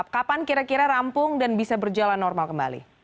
kapan kira kira rampung dan bisa berjalan normal kembali